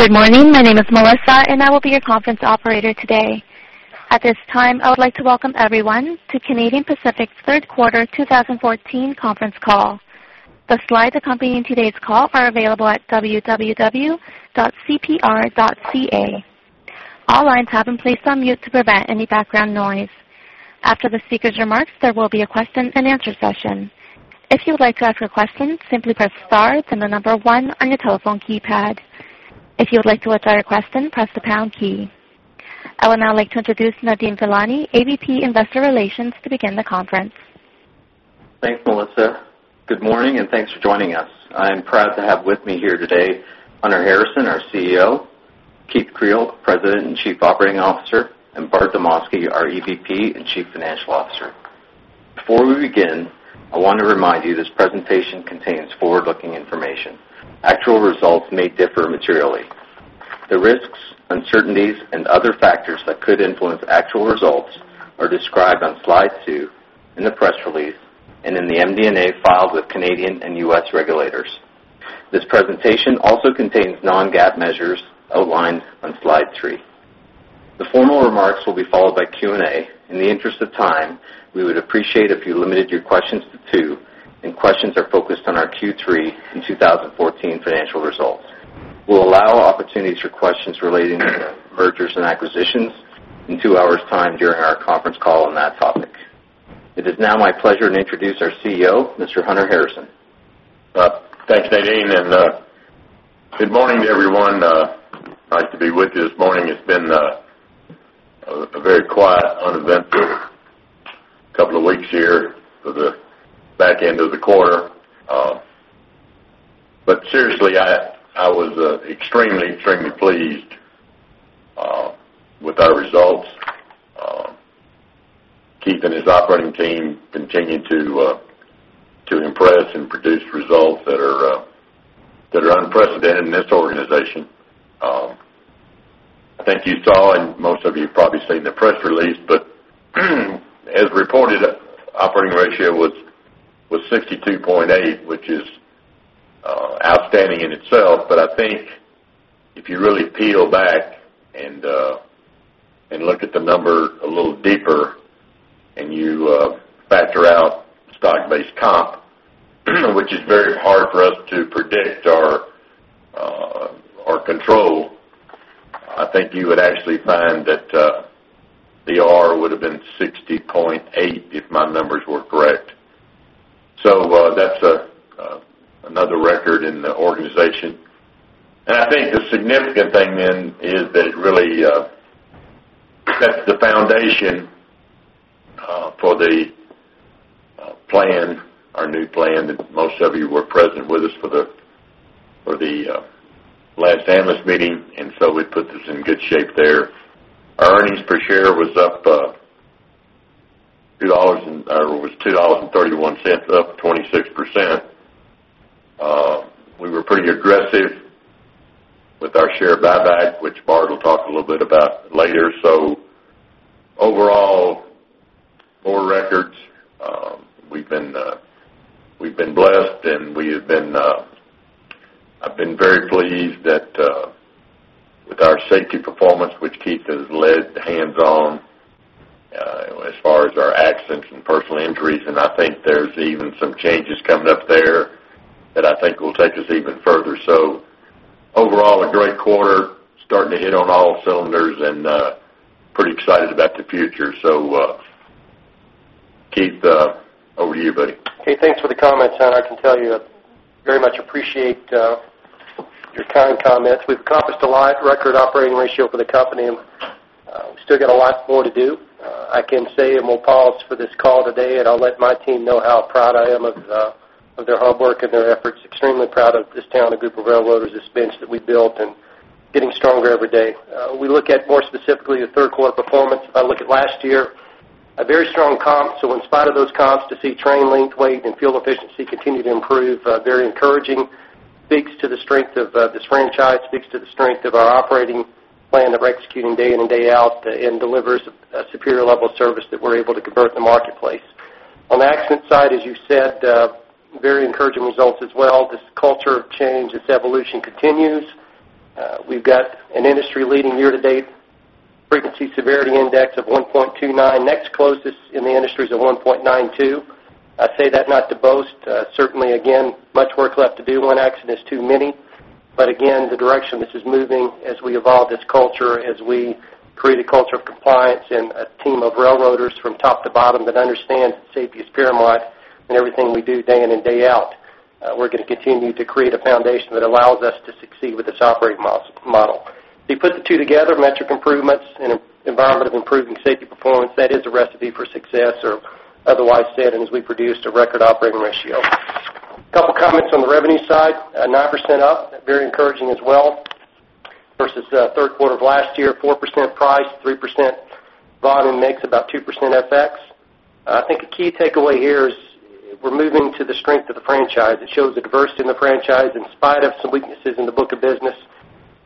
Good morning. My name is Melissa, and I will be your conference operator today. At this time, I would like to welcome everyone to Canadian Pacific's third-quarter 2014 conference call. The slides accompanying today's call are available at www.cpr.ca. All lines have been placed on mute to prevent any background noise. After the speaker's remarks, there will be a question-and-answer session. If you would like to ask a question, simply press * then the number 1 on your telephone keypad. If you would like to address a question, press the pound key. I would now like to introduce Nadeem Velani, AVP Investor Relations, to begin the conference. Thanks, Melissa. Good morning, and thanks for joining us. I am proud to have with me here today Hunter Harrison, our CEO; Keith Creel, President and Chief Operating Officer; and Bart Demosky, our EVP and Chief Financial Officer. Before we begin, I want to remind you this presentation contains forward-looking information. Actual results may differ materially. The risks, uncertainties, and other factors that could influence actual results are described on slide 2 in the press release and in the MD&A filed with Canadian and U.S. regulators. This presentation also contains non-GAAP measures outlined on slide 3. The formal remarks will be followed by Q&A. In the interest of time, we would appreciate if you limited your questions to 2, and questions are focused on our Q3 and 2014 financial results. We'll allow opportunities for questions relating to mergers and acquisitions in two hours' time during our conference call on that topic. It is now my pleasure to introduce our CEO, Mr. Hunter Harrison. Thanks, Nadeem. Good morning to everyone. Nice to be with you this morning. It's been a very quiet, uneventful couple of weeks here for the back end of the quarter. But seriously, I was extremely, extremely pleased with our results. Keith and his operating team continue to impress and produce results that are unprecedented in this organization. I think you saw, and most of you have probably seen the press release, but as reported, operating ratio was 62.8, which is outstanding in itself. But I think if you really peel back and look at the number a little deeper and you factor out stock-based comp, which is very hard for us to predict or control, I think you would actually find that the R would have been 60.8 if my numbers were correct. So that's another record in the organization. I think the significant thing then is that it really sets the foundation for the plan, our new plan that most of you were present with us for the last analyst meeting, and so we put this in good shape there. Our earnings per share was up $2.31, up 26%. We were pretty aggressive with our share buyback, which Bart will talk a little bit about later. So overall, four records. We've been blessed, and I've been very pleased with our safety performance, which Keith has led hands-on as far as our accidents and personal injuries. And I think there's even some changes coming up there that I think will take us even further. So overall, a great quarter, starting to hit on all cylinders, and pretty excited about the future. So Keith, over to you, buddy. Hey, thanks for the comments, Hunter. I can tell you I very much appreciate your kind comments. We've accomplished a lot: record operating ratio for the company, and we still got a lot more to do. I can say, and we'll pause for this call today, and I'll let my team know how proud I am of their hard work and their efforts. Extremely proud of this town, a group of railroaders, this bench that we built, and getting stronger every day. We look at more specifically the third-quarter performance. If I look at last year, a very strong comp. So in spite of those comps, to see train length, weight, and fuel efficiency continue to improve, very encouraging. Speaks to the strength of this franchise, speaks to the strength of our operating plan that we're executing day in and day out and delivers a superior level of service that we're able to convert in the marketplace. On the accident side, as you said, very encouraging results as well. This culture of change, this evolution continues. We've got an industry-leading year-to-date frequency severity index of 1.29, next closest in the industry is at 1.92. I say that not to boast. Certainly, again, much work left to do. One accident is too many. But again, the direction this is moving as we evolve this culture, as we create a culture of compliance and a team of railroaders from top to bottom that understands safety as paramount in everything we do day in and day out, we're going to continue to create a foundation that allows us to succeed with this operating model. If you put the two together, metric improvements and an environment of improving safety performance, that is a recipe for success, or otherwise said, as we produce a record operating ratio. A couple of comments on the revenue side: 9% up, very encouraging as well versus third quarter of last year, 4% price, 3% volume mix, about 2% FX. I think a key takeaway here is we're moving to the strength of the franchise. It shows a diversity in the franchise. In spite of some weaknesses in the book of business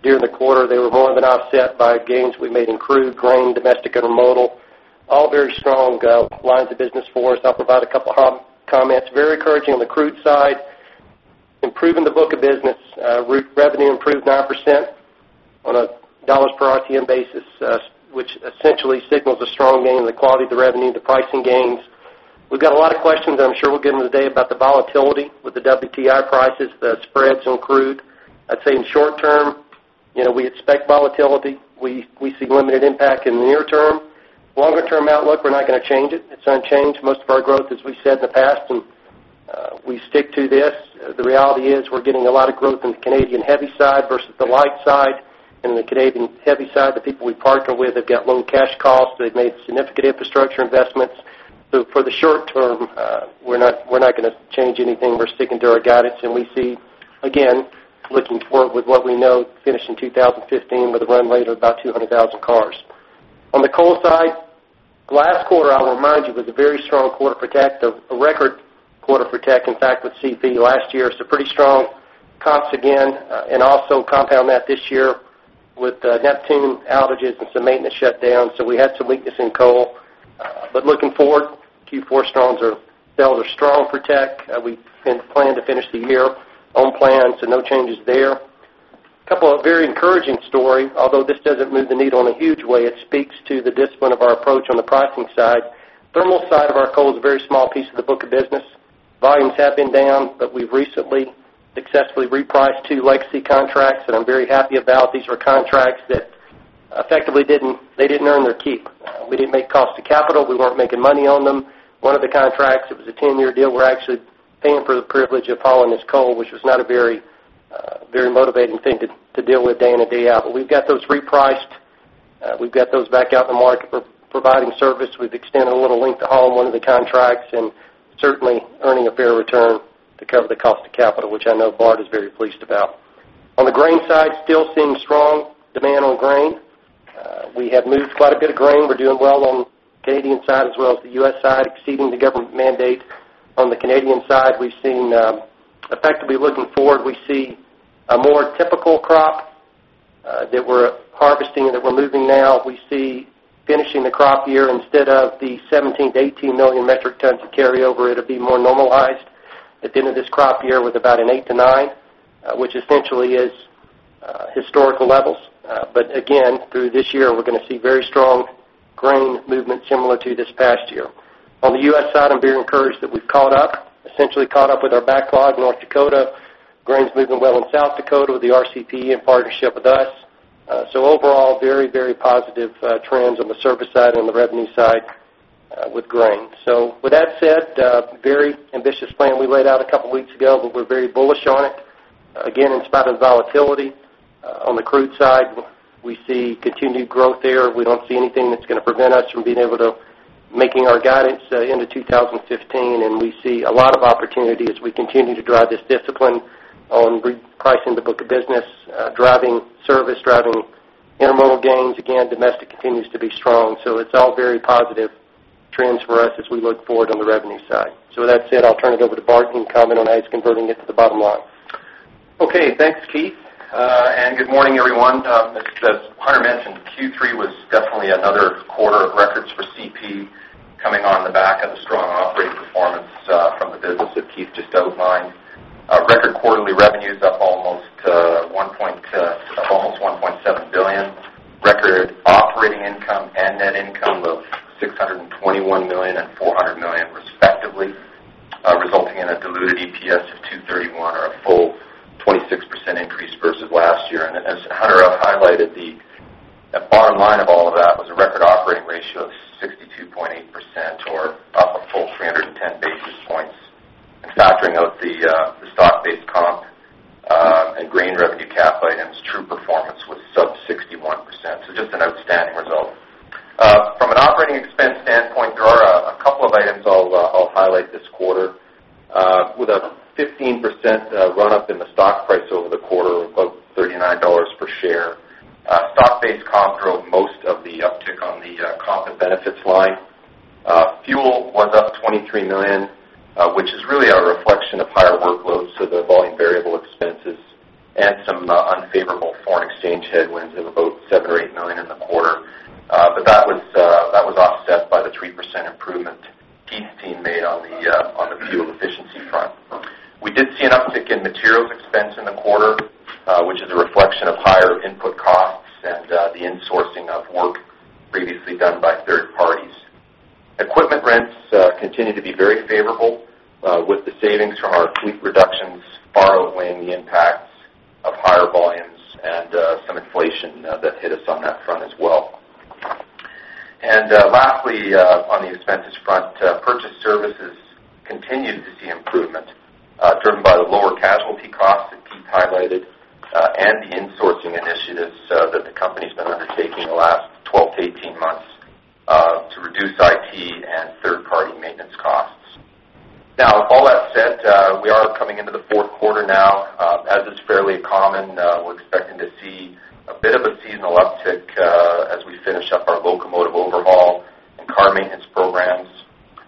during the quarter, they were more than offset by gains we made in crude, grain, domestic, and intermodal. All very strong lines of business for us. I'll provide a couple of comments. Very encouraging on the crude side, improving the book of business. Revenue improved 9% on a dollars per RTM basis, which essentially signals a strong gain in the quality of the revenue, the pricing gains. We've got a lot of questions, and I'm sure we'll get them today, about the volatility with the WTI prices, the spreads on crude. I'd say in short term, we expect volatility. We see limited impact in the near term. Longer-term outlook, we're not going to change it. It's unchanged. Most of our growth is, as we said in the past, and we stick to this. The reality is we're getting a lot of growth in the Canadian heavy side versus the light side. In the Canadian heavy side, the people we partner with have got low cash costs. They've made significant infrastructure investments. For the short term, we're not going to change anything. We're sticking to our guidance. We see, again, looking forward with what we know, finish in 2015 with a run rate of about 200,000 cars. On the coal side, last quarter, I'll remind you, was a very strong quarter for Teck, a record quarter for Teck, in fact, with CP last year. Pretty strong comps again. Also compound that this year with Neptune outages and some maintenance shutdowns. We had some weakness in coal. But looking forward, Q4 sales are strong for Teck. We plan to finish the year on plan, so no changes there. A couple of very encouraging stories, although this doesn't move the needle in a huge way. It speaks to the discipline of our approach on the pricing side. Thermal side of our coal is a very small piece of the book of business. Volumes have been down, but we've recently successfully repriced 2 legacy contracts, and I'm very happy about. These were contracts that effectively didn't earn their keep. We didn't make cost of capital. We weren't making money on them. One of the contracts, it was a 10-year deal. We're actually paying for the privilege of hauling this coal, which was not a very motivating thing to deal with day in and day out. But we've got those repriced. We've got those back out in the market for providing service. We've extended a little length of haul on one of the contracts and certainly earning a fair return to cover the cost of capital, which I know Bart is very pleased about. On the grain side, still seeing strong demand on grain. We have moved quite a bit of grain. We're doing well on the Canadian side as well as the U.S. side, exceeding the government mandate. On the Canadian side, we've seen effectively looking forward, we see a more typical crop that we're harvesting and that we're moving now. We see finishing the crop year instead of the 17-18 million metric tons of carryover. It'll be more normalized at the end of this crop year with about an 8-9, which essentially is historical levels. But again, through this year, we're going to see very strong grain movement similar to this past year. On the U.S. side, I'm very encouraged that we've caught up, essentially caught up with our backlog. North Dakota, grain's moving well in South Dakota with the RCP&E in partnership with us. So overall, very, very positive trends on the service side and the revenue side with grain. So with that said, very ambitious plan we laid out a couple of weeks ago, but we're very bullish on it. Again, in spite of the volatility, on the crude side, we see continued growth there. We don't see anything that's going to prevent us from being able to make our guidance into 2015. And we see a lot of opportunity as we continue to drive this discipline on repricing the book of business, driving service, driving intermodal gains. Again, domestic continues to be strong. So it's all very positive trends for us as we look forward on the revenue side. With that said, I'll turn it over to Bart to comment on how he's converting it to the bottom line. Okay, thanks, Keith. And good morning, everyone. As Hunter mentioned, Q3 was definitely another quarter of records for CP coming on the back of the strong operating performance from the business that Keith just outlined. Record quarterly revenues up almost 1.7 billion, record operating income and net income of 621 million and 400 million, respectively, resulting in a diluted EPS of 2.31 or a full 26% increase versus last year. And as Hunter highlighted, the bottom line of all of that was a record operating ratio of 62.8% or up a full 310 basis points. And factoring out the stock-based comp and grain revenue cap items, true performance was sub 61%. So just an outstanding result. From an operating expense standpoint, there are a couple of items I'll highlight this quarter. With a 15% run-up in the stock price over the quarter, above $39 per share, stock-based comp drove most of the uptick on the comp and benefits line. Fuel was up 23 million, which is really a reflection of higher workloads, so the volume variable expenses, and some unfavorable foreign exchange headwinds of about 7 or 8 million in the quarter. But that was offset by the 3% improvement Keith's team made on the fuel efficiency front. We did see an uptick in materials expense in the quarter, which is a reflection of higher input costs and the insourcing of work previously done by third parties. Equipment rents continue to be very favorable with the savings from our fleet reductions far outweighing the impacts of higher volumes and some inflation that hit us on that front as well. Lastly, on the expenses front, purchased services continued to see improvement driven by the lower casualty costs that Keith highlighted and the insourcing initiatives that the company's been undertaking the last 12-18 months to reduce IT and third-party maintenance costs. Now, all that said, we are coming into the fourth quarter now. As is fairly common, we're expecting to see a bit of a seasonal uptick as we finish up our locomotive overhaul and car maintenance programs.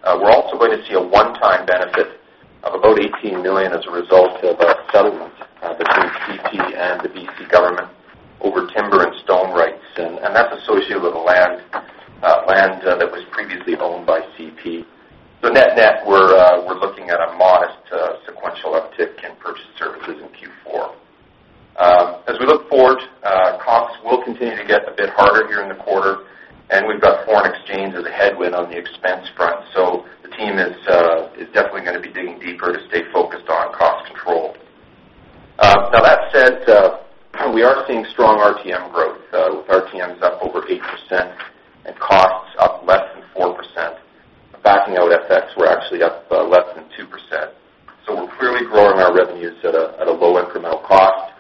We're also going to see a one-time benefit of about 18 million as a result of a settlement between CP and the BC government over timber and stone rights. And that's associated with the land that was previously owned by CP. So net-net, we're looking at a modest sequential uptick in purchased services in Q4. As we look forward, comps will continue to get a bit harder here in the quarter, and we've got foreign exchange as a headwind on the expense front. So the team is definitely going to be digging deeper to stay focused on cost control. Now, that said, we are seeing strong RTM growth with RTMs up over 8% and costs up less than 4%. Backing out FX, we're actually up less than 2%. So we're clearly growing our revenues at a low incremental cost.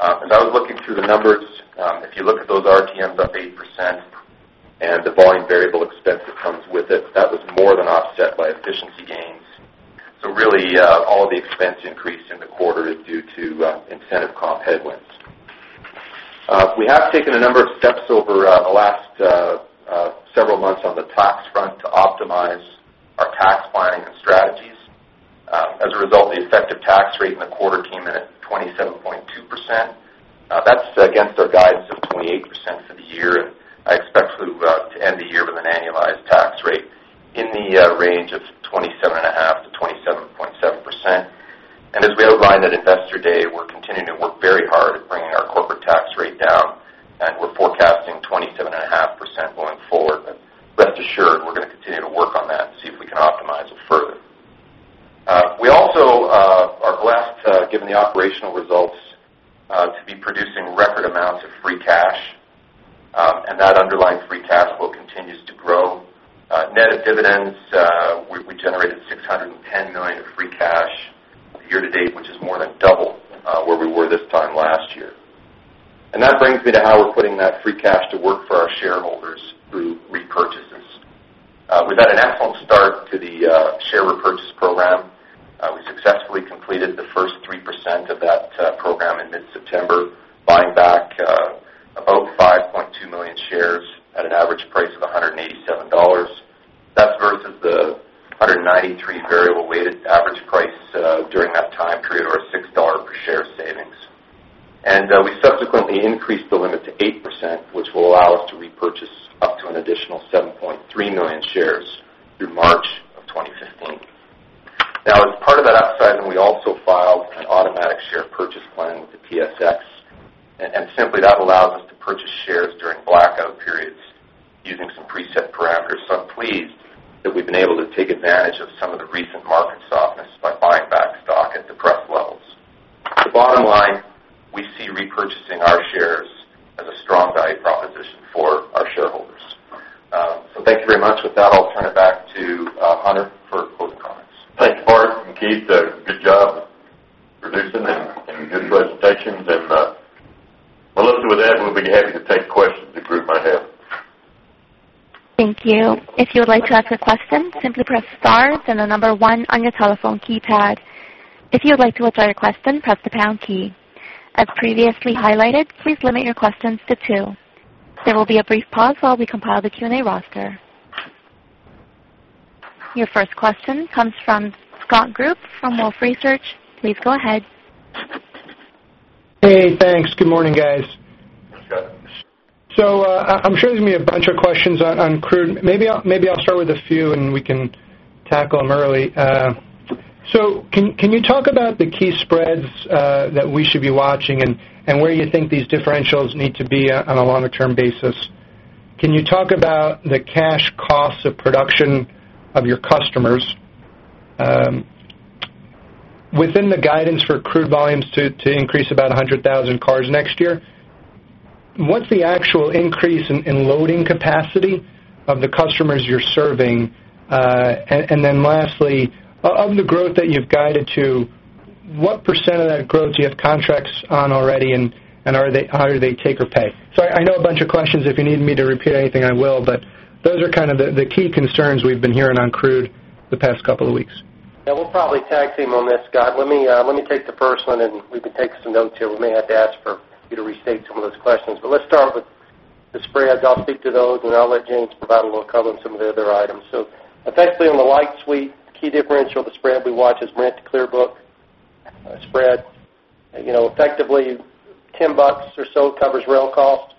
As I was looking through the numbers, if you look at those RTMs up 8% and the volume variable expense that comes with it, that was more than offset by efficiency gains. So really, all of the expense increase in the quarter is due to incentive comp headwinds. We have taken a number of steps over the last several months on the tax front to optimize our tax planning and strategies. As a result, the effective tax rate in the quarter came in at 27.2%. That's against our guidance of 28% Hey, thanks. Good morning, guys. What's up? So I'm sure there's going to be a bunch of questions on crude. Maybe I'll start with a few, and we can tackle them early. So can you talk about the key spreads that we should be watching and where you think these differentials need to be on a longer-term basis? Can you talk about the cash costs of production of your customers within the guidance for crude volumes to increase about 100,000 cars next year? What's the actual increase in loading capacity of the customers you're serving? And then lastly, of the growth that you've guided to, what % of that growth do you have contracts on already, and how do they take or pay? So I know a bunch of questions. If you need me to repeat anything, I will. But those are kind of the key concerns we've been hearing on crude the past couple of weeks. Yeah, we'll probably tag team on this, Scott. Let me take the first one, and we can take some notes here. We may have to ask for you to restate some of those questions. But let's start with the spreads. I'll speak to those, and I'll let James provide a little cover on some of the other items. So effectively, on the light sweet, the key differential, the spread we watch is Brent to WCS spread. Effectively, $10 or so covers rail costs.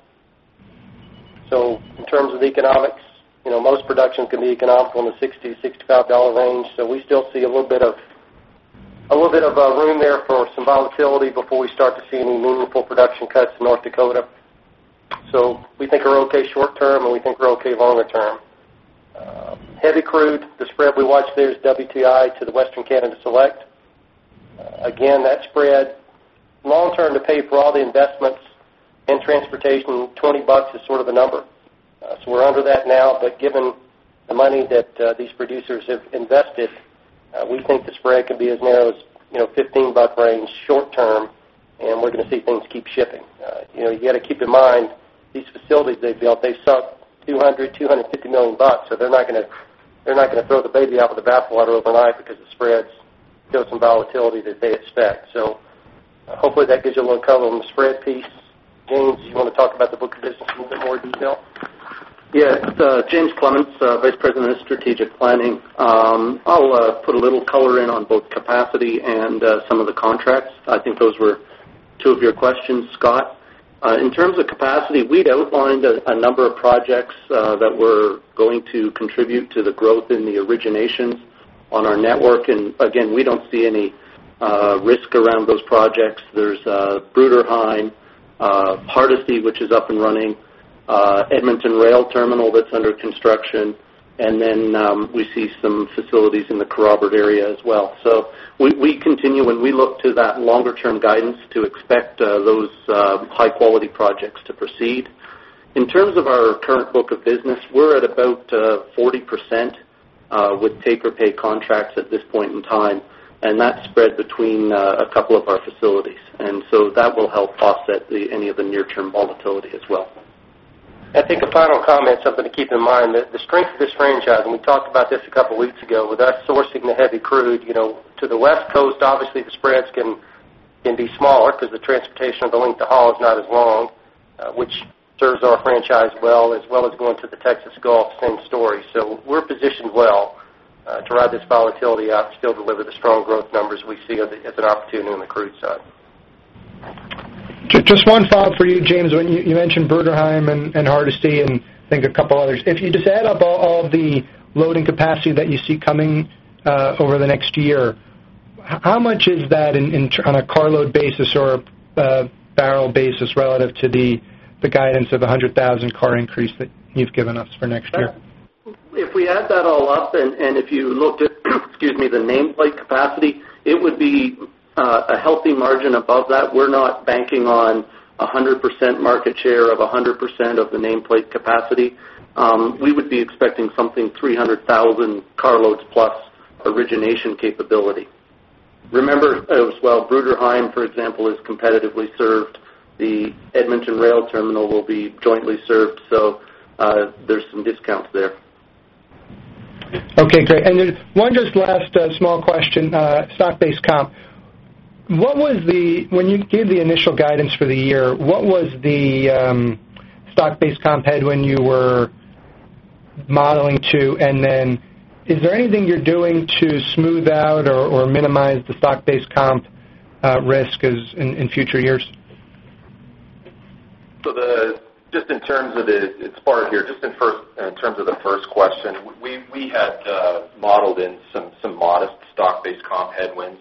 So in terms of the economics, most production can be economical in the $60-$65 range. So we still see a little bit of room there for some volatility before we start to see any meaningful production cuts in North Dakota. So we think we're okay short term, and we think we're okay longer term. Heavy crude, the spread we watch there is WTI to the Western Canadian Select. Again, that spread, long-term to pay for all the investments and transportation, $20 is sort of a number. So we're under that now. But given the money that these producers have invested, we think the spread could be as narrow as $15 range short term, and we're going to see things keep shipping. You got to keep in mind these facilities they've built, they've sunk $200 million-$250 million. So they're not going to throw the baby out with the bathwater overnight because the spreads show some volatility that they expect. So hopefully, that gives you a little cover on the spread piece. James, do you want to talk about the book of business in a little bit more detail? Yeah. It's James Clements, Vice President of Strategic Planning. I'll put a little color in on both capacity and some of the contracts. I think those were two of your questions, Scott. In terms of capacity, we'd outlined a number of projects that were going to contribute to the growth in the originations on our network. And again, we don't see any risk around those projects. There's Bruderheim, Hardisty, which is up and running, Edmonton Rail Terminal that's under construction, and then we see some facilities in the Kerrobert area as well. So we continue, when we look to that longer-term guidance, to expect those high-quality projects to proceed. In terms of our current book of business, we're at about 40% with take-or- pay contracts at this point in time, and that spread between a couple of our facilities. And so that will help offset any of the near-term volatility as well. I think a final comment, something to keep in mind. The strength of this franchise, and we talked about this a couple of weeks ago, with us sourcing the heavy crude to the West Coast, obviously, the spreads can be smaller because the transportation of the length of the haul is not as long, which serves our franchise well, as well as going to the Texas Gulf, same story. So we're positioned well to ride this volatility out and still deliver the strong growth numbers we see as an opportunity on the crude side. Just one follow-up for you, James. When you mentioned Bruderheim and Hardisty and I think a couple others, if you just add up all of the loading capacity that you see coming over the next year, how much is that on a carload basis or a barrel basis relative to the guidance of 100,000 car increase that you've given us for next year? If we add that all up and if you looked at, excuse me, the nameplate capacity, it would be a healthy margin above that. We're not banking on 100% market share of 100% of the nameplate capacity. We would be expecting something 300,000+ carloads origination capability. Remember as well, Bruderheim, for example, is competitively served. The Edmonton Rail Terminal will be jointly served. So there's some discounts there. Okay, great. And one just last small question, stock-based comp. When you gave the initial guidance for the year, what was the stock-based comp headwind you were modeling to? And then is there anything you're doing to smooth out or minimize the stock-based comp risk in future years? Just in terms of it, it's part here. Just in terms of the first question, we had modeled in some modest stock-based comp headwinds.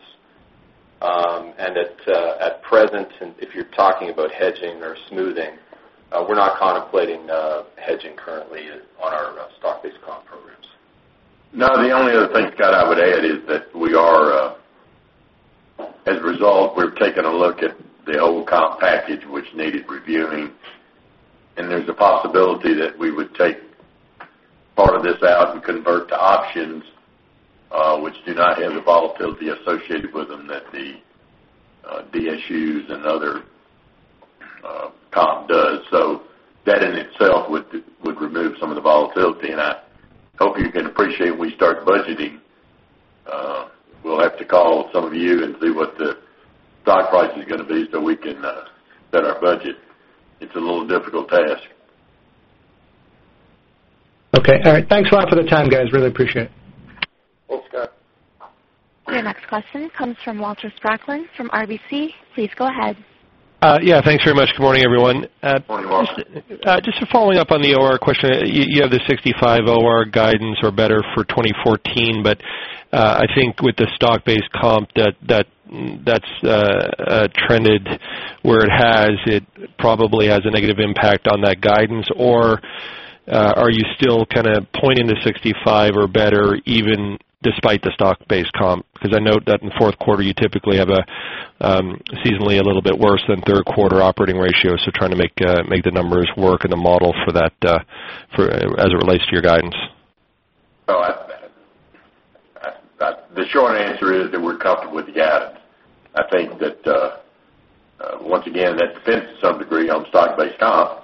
At present, if you're talking about hedging or smoothing, we're not contemplating hedging currently on our stock-based comp programs. Now, the only other thing, Scott, I would add is that we are, as a result, we're taking a look at the old comp package, which needed reviewing. And there's a possibility that we would take part of this out and convert to options, which do not have the volatility associated with them that the DSUs and other comp does. So that in itself would remove some of the volatility. And I hope you can appreciate when we start budgeting, we'll have to call some of you and see what the stock price is going to be so we can set our budget. It's a little difficult task. Okay. All right. Thanks a lot for the time, guys. Really appreciate it. Thanks, Scott. Your next question comes from Walter Spracklin from RBC. Please go ahead. Yeah, thanks very much. Good morning, everyone. Morning, Walter. Just following up on the OR question. You have the 65 OR guidance, or better, for 2014. But I think with the stock-based comp that's trended where it has, it probably has a negative impact on that guidance. Or are you still kind of pointing to 65 or better even despite the stock-based comp? Because I note that in fourth quarter, you typically have a seasonally a little bit worse than third quarter operating ratio. So trying to make the numbers work in the model as it relates to your guidance. Oh, the short answer is that we're comfortable with the guidance. I think that, once again, that depends to some degree on stock-based comp.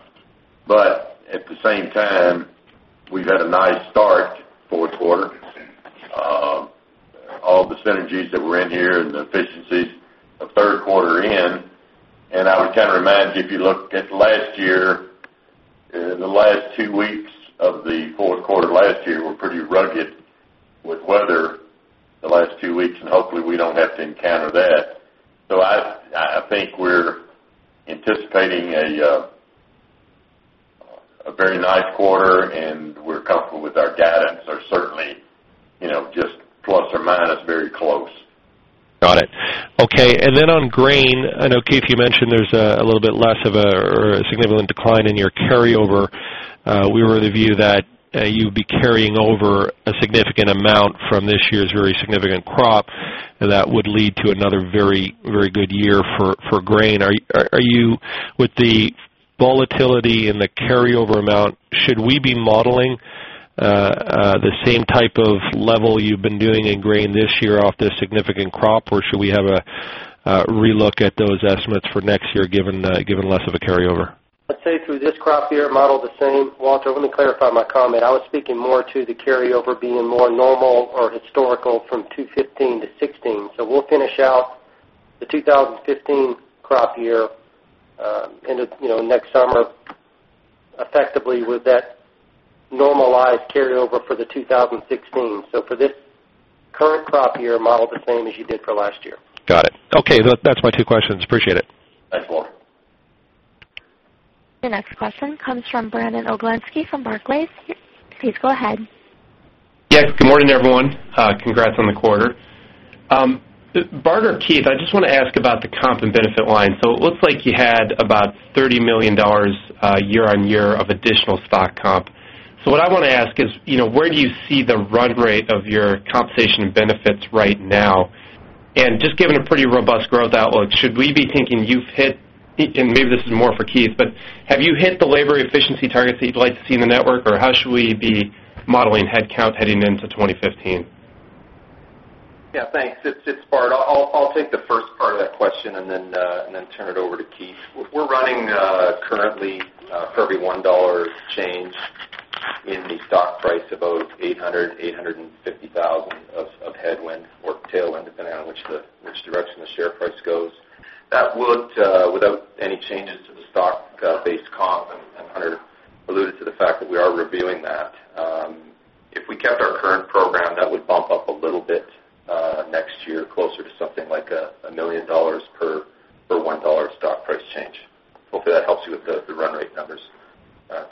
But at the same time, we've had a nice start fourth quarter. All the synergies that were in here and the efficiencies of third quarter in. And I would kind of remind you, if you look at last year, the last two weeks of the fourth quarter last year were pretty rugged with weather the last two weeks. And hopefully, we don't have to encounter that. So I think we're anticipating a very nice quarter, and we're comfortable with our guidance. Or certainly, just plus or minus, very close. Got it. Okay. And then on grain, I know, Keith, you mentioned there's a little bit less of a significant decline in your carryover. We were of the view that you'd be carrying over a significant amount from this year's very significant crop, and that would lead to another very, very good year for grain. With the volatility and the carryover amount, should we be modeling the same type of level you've been doing in grain this year off this significant crop, or should we have a relook at those estimates for next year given less of a carryover? I'd say through this crop year, model the same. Walter, let me clarify my comment. I was speaking more to the carryover being more normal or historical from 2015 to 2016. So we'll finish out the 2015 crop year end of next summer effectively with that normalized carryover for the 2016. So for this current crop year, model the same as you did for last year. Got it. Okay. That's my two questions. Appreciate it. Thanks, Walter. Your next question comes from Brandon Oglenski from Barclays. Please go ahead. Yeah. Good morning, everyone. Congrats on the quarter. Bart, Keith, I just want to ask about the comp and benefit line. So it looks like you had about $30 million year-over-year of additional stock comp. So what I want to ask is, where do you see the run rate of your compensation and benefits right now? And just given a pretty robust growth outlook, should we be thinking you've hit and maybe this is more for Keith, but have you hit the labor efficiency targets that you'd like to see in the network, or how should we be modeling headcount heading into 2015? Yeah, thanks. It's Bart. I'll take the first part of that question and then turn it over to Keith. We're running currently, for every 1 dollar change in the stock price, about 800,000-850,000 of headwind or tailwind, depending on which direction the share price goes. That would, without any changes to the stock-based comp, and Hunter alluded to the fact that we are reviewing that, if we kept our current program, that would bump up a little bit next year, closer to something like 1 million dollars per 1 dollar stock price change. Hopefully, that helps you with the run rate numbers,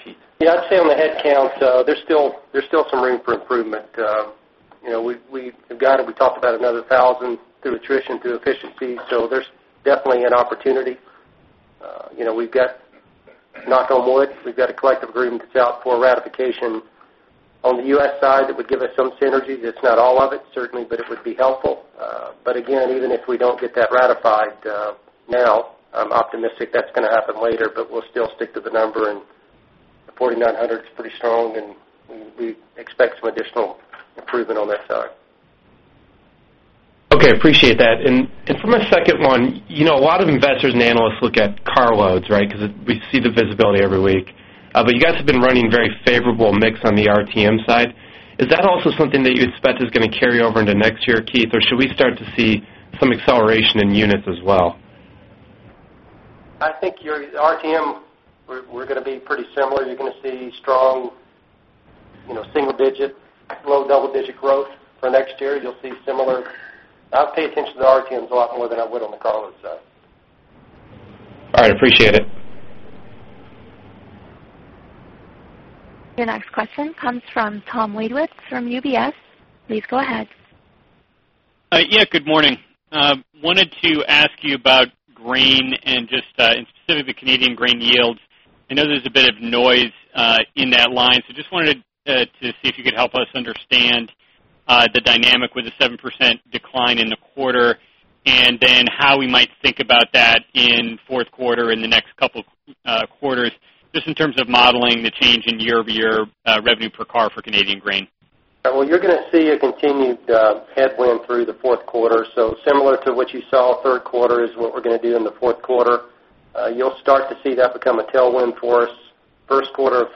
Keith. Yeah, I'd say on the headcount, there's still some room for improvement. We've got it. We talked about another 1,000 through attrition, through efficiency. So there's definitely an opportunity. We've got knock on wood. We've got a collective agreement that's out for ratification on the U.S. side that would give us some synergy. That's not all of it, certainly, but it would be helpful. But again, even if we don't get that ratified now, I'm optimistic that's going to happen later. But we'll still stick to the number. And the 4,900 is pretty strong, and we expect some additional improvement on that side. Okay. Appreciate that. And for my second one, a lot of investors and analysts look at carloads, right, because we see the visibility every week. But you guys have been running very favorable mix on the RTM side. Is that also something that you expect is going to carry over into next year, Keith, or should we start to see some acceleration in units as well? I think RTM, we're going to be pretty similar. You're going to see strong single-digit, low double-digit growth for next year. You'll see similar. I pay attention to the RTMs a lot more than I would on the carload side. All right. Appreciate it. Your next question comes from Tom Wadewitz from UBS. Please go ahead. Yeah. Good morning. Wanted to ask you about grain and just, in specific, the Canadian grain yields. I know there's a bit of noise in that line, so just wanted to see if you could help us understand the dynamic with the 7% decline in the quarter and then how we might think about that in fourth quarter and the next couple of quarters, just in terms of modeling the change in year-over-year revenue per car for Canadian grain. Well, you're going to see a continued headwind through the fourth quarter. So similar to what you saw third quarter is what we're going to do in the fourth quarter. You'll start to see that become a tailwind for us first quarter of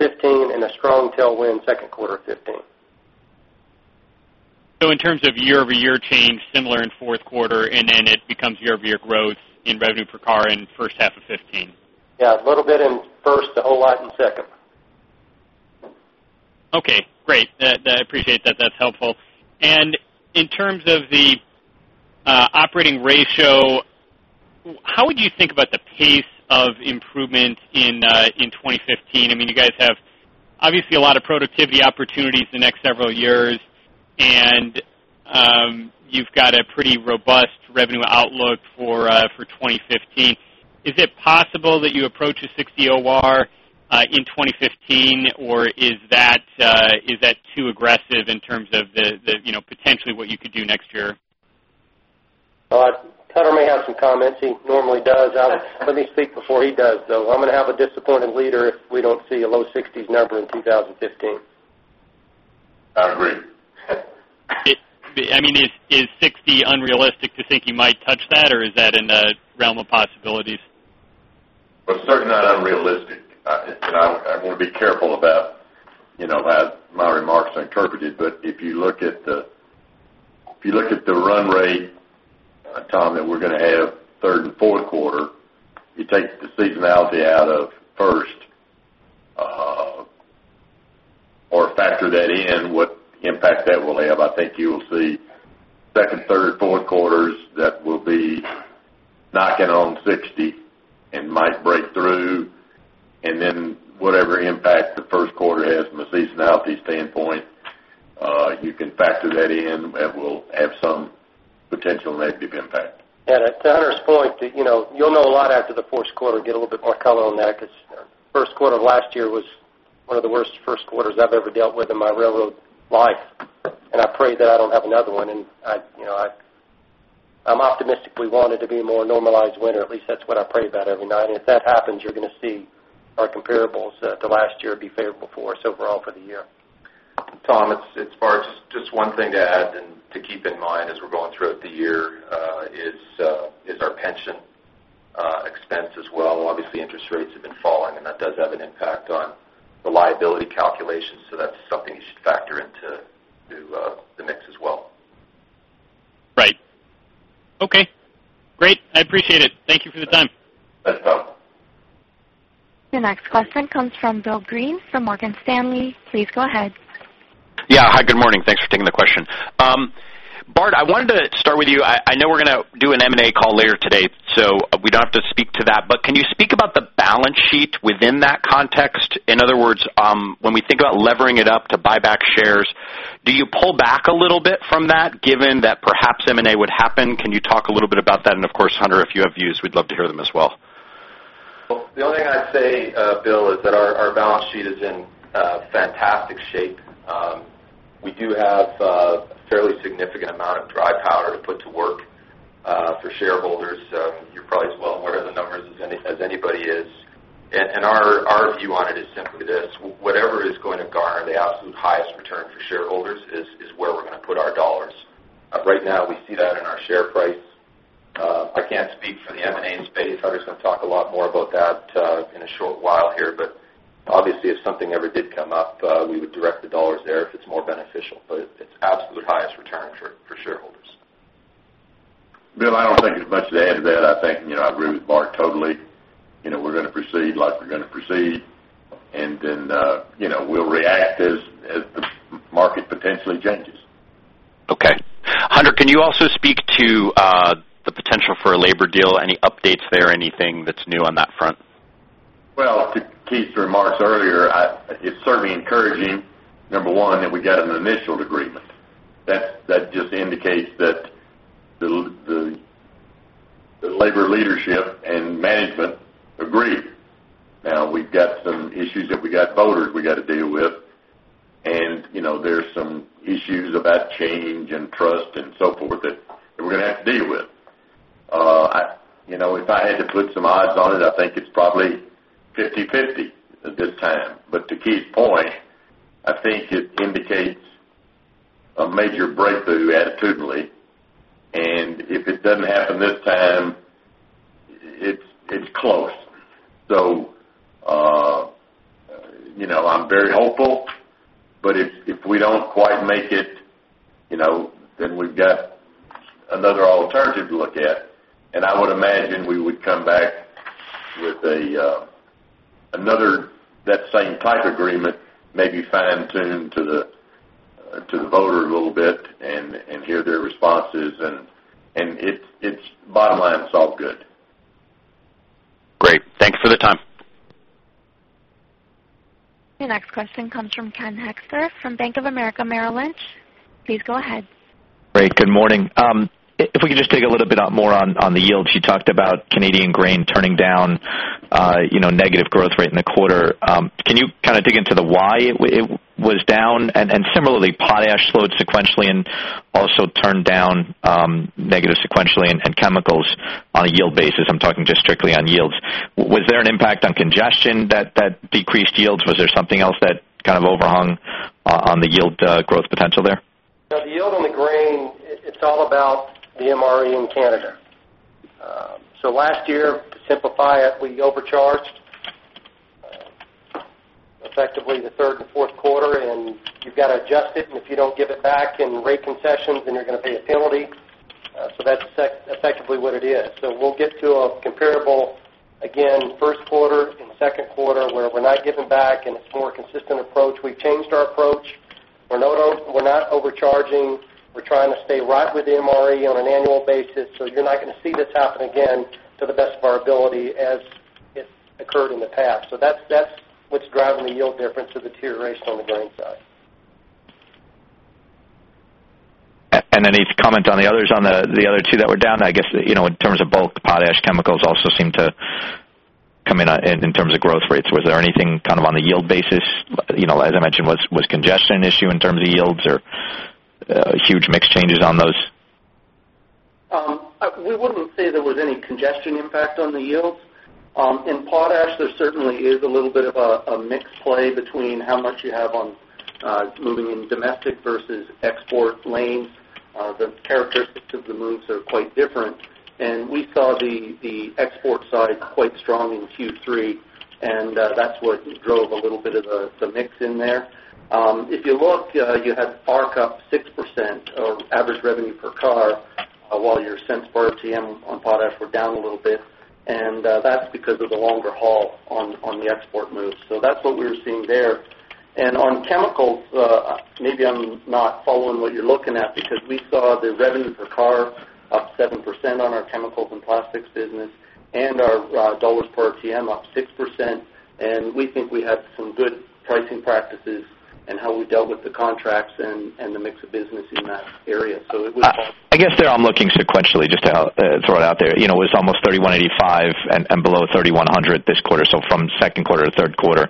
2015 and a strong tailwind second quarter of 2015. In terms of year-over-year change, similar in fourth quarter, and then it becomes year-over-year growth in revenue per car in first half of 2015? Yeah. A little bit in first, a whole lot in second. Okay. Great. I appreciate that. That's helpful. And in terms of the operating ratio, how would you think about the pace of improvement in 2015? I mean, you guys have obviously a lot of productivity opportunities the next several years, and you've got a pretty robust revenue outlook for 2015. Is it possible that you approach a 60 OR in 2015, or is that too aggressive in terms of potentially what you could do next year? Keith may have some comments. He normally does. Let me speak before he does, though. I'm going to have a disappointed leader if we don't see a low 60s number in 2015. I agree. I mean, is 60 unrealistic to think you might touch that, or is that in the realm of possibilities? Well, certainly not unrealistic. And I want to be careful about how my remarks are interpreted. But if you look at the run rate, Tom, that we're going to have third and fourth quarter, you take the seasonality out of first or factor that in, what impact that will have. I think you will see second, third, fourth quarters that will be knocking on 60 and might break through. And then whatever impact the first quarter has from a seasonality standpoint, you can factor that in. It will have some potential negative impact. Yeah. To Hunter's point, you'll know a lot after the fourth quarter. Get a little bit more color on that because first quarter of last year was one of the worst first quarters I've ever dealt with in my railroad life. And I pray that I don't have another one. And I'm optimistic we want it to be a more normalized winter. At least that's what I pray about every night. And if that happens, you're going to see our comparables to last year be favorable for us overall for the year. Tom, it's Bart. Just one thing to add and to keep in mind as we're going throughout the year is our pension expense as well. Obviously, interest rates have been falling, and that does have an impact on the liability calculations. So that's something you should factor into the mix as well. Right. Okay. Great. I appreciate it. Thank you for the time. Thanks, Tom. Your next question comes from Bill Green from Morgan Stanley. Please go ahead. Yeah. Hi. Good morning. Thanks for taking the question. Bart, I wanted to start with you. I know we're going to do an M&A call later today, so we don't have to speak to that. But can you speak about the balance sheet within that context? In other words, when we think about levering it up to buy back shares, do you pull back a little bit from that given that perhaps M&A would happen? Can you talk a little bit about that? And of course, Hunter, if you have views, we'd love to hear them as well. Well, the only thing I'd say, Bill, is that our balance sheet is in fantastic shape. We do have a fairly significant amount of dry powder to put to work for shareholders. You're probably as well aware of the numbers as anybody is. And our view on it is simply this: whatever is going to garner the absolute highest return for shareholders is where we're going to put our dollars. Right now, we see that in our share price. I can't speak for the M&A space. Hunter's going to talk a lot more about that in a short while here. But obviously, if something ever did come up, we would direct the dollars there if it's more beneficial. But it's absolute highest return for shareholders. Bill, I don't think there's much to add to that. I think I agree with Bart totally. We're going to proceed like we're going to proceed, and then we'll react as the market potentially changes. Okay. Hunter, can you also speak to the potential for a labor deal? Any updates there, anything that's new on that front? Well, to Keith's remarks earlier, it's certainly encouraging, number one, that we got an initial agreement. That just indicates that the labor leadership and management agree. Now, we've got some issues that we got voters we got to deal with, and there's some issues about change and trust and so forth that we're going to have to deal with. If I had to put some odds on it, I think it's probably 50/50 at this time. But to Keith's point, I think it indicates a major breakthrough attitudinally. And if it doesn't happen this time, it's close. So I'm very hopeful, but if we don't quite make it, then we've got another alternative to look at. And I would imagine we would come back with another that same type agreement, maybe fine-tuned to the voter a little bit and hear their responses. And it's bottom line solved good. Great. Thank you for the time. Your next question comes from Ken Hoexter from Bank of America Merrill Lynch. Please go ahead. Great. Good morning. If we could just take a little bit more on the yields. You talked about Canadian grain turning down negative growth rate in the quarter. Can you kind of dig into the why it was down? And similarly, potash slowed sequentially and also turned down negative sequentially and chemicals on a yield basis. I'm talking just strictly on yields. Was there an impact on congestion that decreased yields? Was there something else that kind of overhung on the yield growth potential there? Now, the yield on the grain, it's all about the MRE in Canada. So last year, to simplify it, we overcharged effectively the third and fourth quarter, and you've got to adjust it. If you don't give it back in rate concessions, then you're going to pay a penalty. So that's effectively what it is. We'll get to a comparable, again, first quarter and second quarter where we're not giving back, and it's a more consistent approach. We've changed our approach. We're not overcharging. We're trying to stay right with the MRE on an annual basis. You're not going to see this happen again to the best of our ability as it's occurred in the past. That's what's driving the yield difference, the deterioration on the grain side. Any comment on the others? On the other two that were down, I guess in terms of bulk, potash, chemicals also seem to come in in terms of growth rates. Was there anything kind of on the yield basis? As I mentioned, was congestion an issue in terms of yields or huge mix changes on those? We wouldn't say there was any congestion impact on the yields. In potash, there certainly is a little bit of a mix play between how much you have on moving in domestic versus export lanes. The characteristics of the moves are quite different. We saw the export side quite strong in Q3, and that's what drove a little bit of the mix in there. If you look, you had ARC up 6% or average revenue per car while your cents per RTM on potash were down a little bit. That's because of the longer haul on the export moves. That's what we were seeing there. On chemicals, maybe I'm not following what you're looking at because we saw the revenue per car up 7% on our chemicals and plastics business and our dollars per RTM up 6%. We think we had some good pricing practices in how we dealt with the contracts and the mix of business in that area. It was. I guess there I'm looking sequentially just to throw it out there. It was almost 3,185 and below 3,100 this quarter, so from second quarter to third quarter.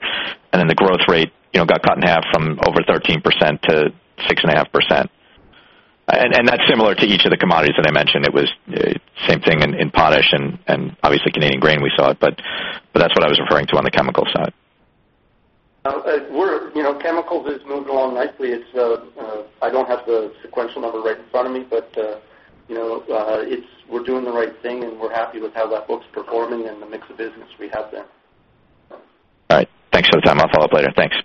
And then the growth rate got cut in half from over 13%-6.5%. And that's similar to each of the commodities that I mentioned. It was same thing in potash and obviously Canadian grain, we saw it. But that's what I was referring to on the chemical side. Chemicals has moved along nicely. I don't have the sequential number right in front of me, but we're doing the right thing, and we're happy with how that book's performing and the mix of business we have there. All right. Thanks for the time. I'll follow up later. Thanks.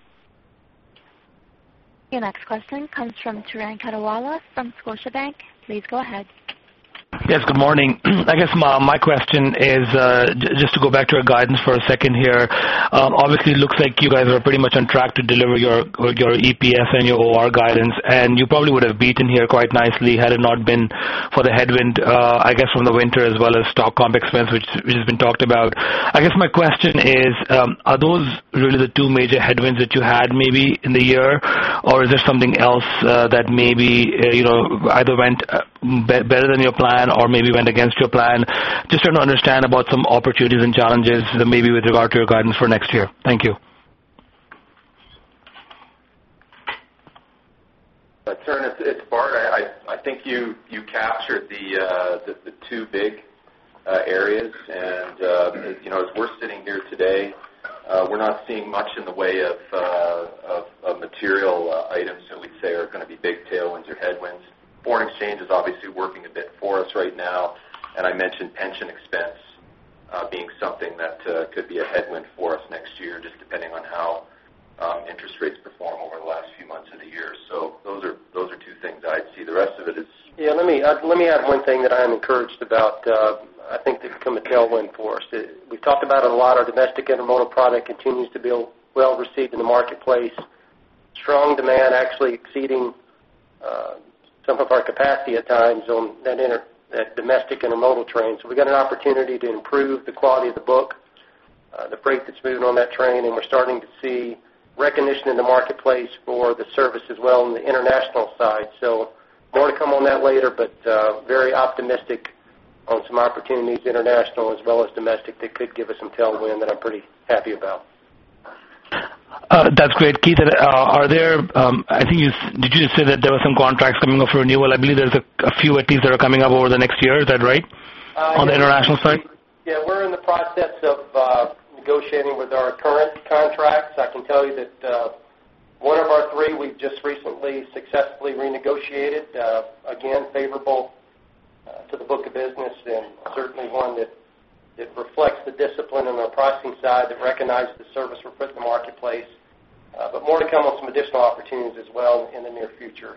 Your next question comes from Turan Quettawala from Scotiabank. Please go ahead. Yes. Good morning. I guess my question is just to go back to our guidance for a second here. Obviously, it looks like you guys are pretty much on track to deliver your EPS and your OR guidance, and you probably would have beaten here quite nicely had it not been for the headwind, I guess, from the winter as well as stock comp expense, which has been talked about. I guess my question is, are those really the two major headwinds that you had maybe in the year, or is there something else that maybe either went better than your plan or maybe went against your plan? Just trying to understand about some opportunities and challenges maybe with regard to your guidance for next year. Thank you. Turan, it's Bart. I think you captured the two big areas. As we're sitting here today, we're not seeing much in the way of material items that we'd say are going to be big tailwinds or headwinds. Foreign exchange is obviously working a bit for us right now. I mentioned pension expense being something that could be a headwind for us next year just depending on how interest rates perform over the last few months of the year. Those are two things I'd see. The rest of it is. Yeah. Let me add one thing that I am encouraged about. I think that could come a tailwind for us. We've talked about it a lot. Our domestic intermodal product continues to be well-received in the marketplace. Strong demand actually exceeding some of our capacity at times on that domestic intermodal train. So we've got an opportunity to improve the quality of the book, the freight that's moving on that train. And we're starting to see recognition in the marketplace for the service as well on the international side. So more to come on that later, but very optimistic on some opportunities international as well as domestic that could give us some tailwind that I'm pretty happy about. That's great. Keith, I think you did just say that there were some contracts coming up for renewal? I believe there's a few at least that are coming up over the next year. Is that right on the international side? Yeah. We're in the process of negotiating with our current contracts. I can tell you that one of our three, we've just recently successfully renegotiated. Again, favorable to the book of business and certainly one that reflects the discipline on our pricing side that recognizes the service we're putting in the marketplace. But more to come on some additional opportunities as well in the near future,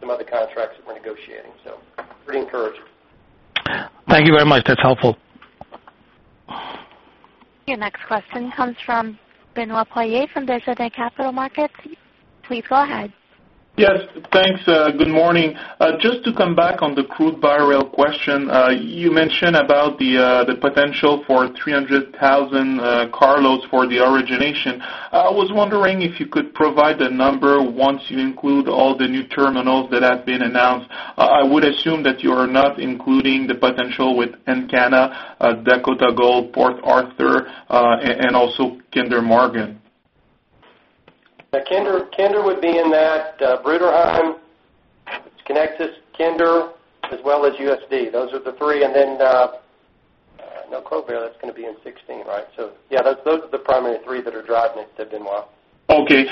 some other contracts that we're negotiating. So pretty encouraged. Thank you very much. That's helpful. Your next question comes from Benoit Poirier from Desjardins Capital Markets. Please go ahead. Yes. Thanks. Good morning. Just to come back on the crude by-rail question, you mentioned about the potential for 300,000 carloads for the origination. I was wondering if you could provide the number once you include all the new terminals that have been announced. I would assume that you are not including the potential with Encana, Dakota Gold, Port Arthur, and also Kinder Morgan. Kinder would be in that. Bruderheim, Canada, Kinder as well as USD. Those are the three. And then no Kerrobert. That's going to be in 2016, right? So yeah, those are the primary three that are driving it at Benoit. Okay.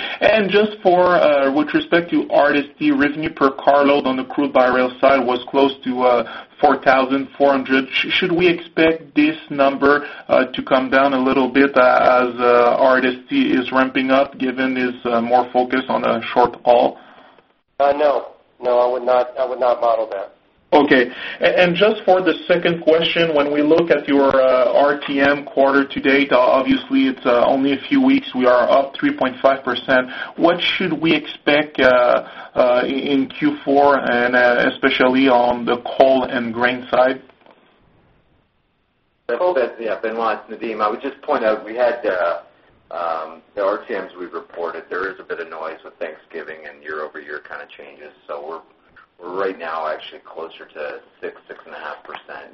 Just with respect to Hardisty, revenue per carload on the crude by-rail side was close to 4,400. Should we expect this number to come down a little bit as Hardisty is ramping up given its more focus on a short haul? No. No. I would not model that. Okay. Just for the second question, when we look at your RTM quarter to date, obviously, it's only a few weeks. We are up 3.5%. What should we expect in Q4 and especially on the coal and grain side? Yeah. Benoit, Nadeem, I would just point out we had the RTMs we've reported. There is a bit of noise with Thanksgiving and year-over-year kind of changes. So we're right now actually closer to 6%-6.5%.